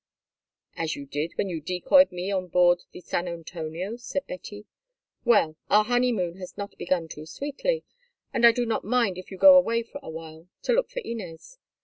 "As you did when you decoyed me on board the San Antonio," said Betty. "Well, our honeymoon has not begun too sweetly, and I do not mind if you go away for a while—to look for Inez.